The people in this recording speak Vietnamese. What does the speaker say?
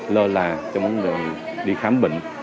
lơ là trong đường đi khám bệnh